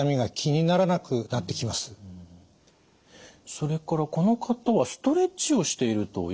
それからこの方はストレッチをしているということでした。